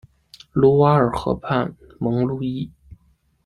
卢瓦尔河畔蒙路易。